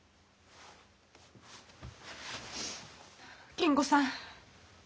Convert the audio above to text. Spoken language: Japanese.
金吾さん。